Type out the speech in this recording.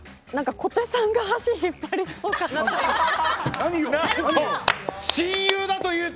小手さんが足引っ張りそうだなって。